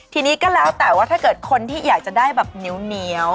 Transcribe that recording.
ทีนี้ก็แล้วแต่ว่าถ้าเกิดคนที่อยากจะได้แบบเหนียว